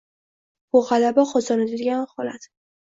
Bu g'alaba qozonadigan holat